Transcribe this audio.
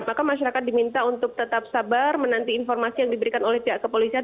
maka masyarakat diminta untuk tetap sabar menanti informasi yang diberikan oleh pihak kepolisian